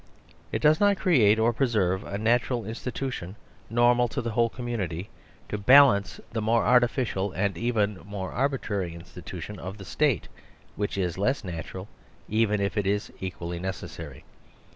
It does not create or preserve a nat ural institution, normal to the whole com munity, to balance the more artificial and even more arbitrary institution of the state; which is less natural even if it is equally necessary.